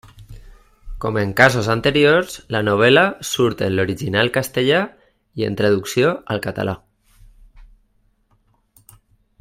Com en casos anteriors, la novel·la surt en l'original castellà i en traducció al català.